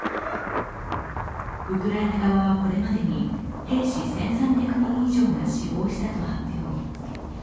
ウクライナ側はこれまでに兵士１３００人以上が死亡したと発表。